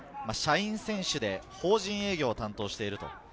社員選手で法人営業を担当している。